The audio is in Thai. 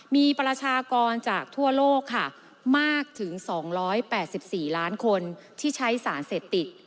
มีประชากรจากทั่วโลกค่ะมากถึง๒๘๔ล้านคนที่ใช้สารเสพติด